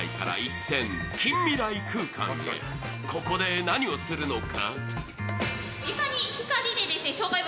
ここで何をするのか？